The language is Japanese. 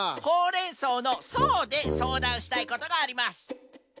「ほう・れん・そう」の「そう」でそうだんしたいことがあります。